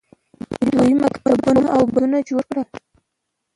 دوی مکتبونه او بندونه جوړ کړل.